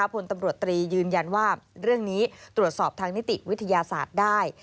ผลตำรวจตรียืนยันว่าเรื่องนี้ตรวจสอบทางนิติวิทยาศาสตร์ได้